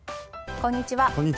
こんにちは。